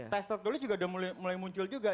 test top tulis juga sudah mulai muncul juga